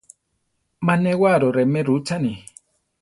Má newaro remé rutzane.